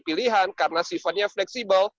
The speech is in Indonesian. pilihan karena sifatnya fleksibel